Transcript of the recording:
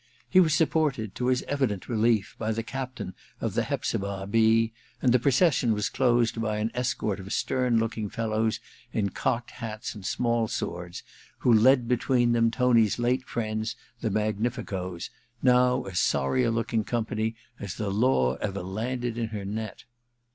He was supported, to his evident relief, by the captain of the Hepzibah B., and the procession was closed by an escort of stern looking fellows in cocked hats and small swords, who led between them Tony*s late friends the magnificoes, now as sorry a looking company as the law ever landed in her net.